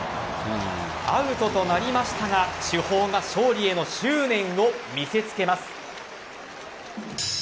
アウトとなりましたが主砲が勝利への執念を見せつけます。